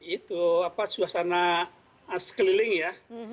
itu apa suasana sekeliling ya